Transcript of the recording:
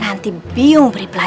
nanti biung beri pelajaran